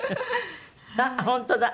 あっ本当だ！